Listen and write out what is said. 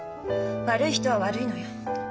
悪い人は悪いのよ。